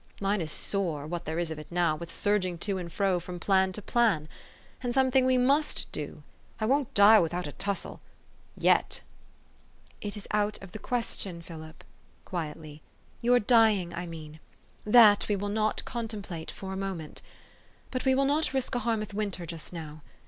Mine is sore what there is of it now with surging to and fro from plan to plan. And something we must do. I won't die without a tussle yet." THE STORY OF AVIS. 391 "It is out of the question, Philip, " quietly, " jour dying, I mean. That we will not contem plate for a moment. But we will not risk a Har mouth winter just now.